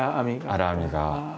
荒編みが。